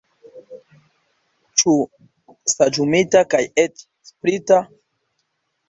Ĉu saĝumita kaj eĉ sprita?